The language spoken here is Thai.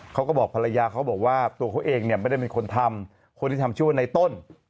เขาก็บอกภรรยาเขาบอกว่าตัวเขาเองเนี่ยไม่ได้เป็นคนทำคนที่ทำชื่อว่าในต้น